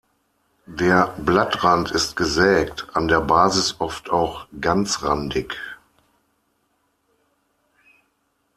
Der Blattrand ist gesägt, an der Basis oft auch ganzrandig.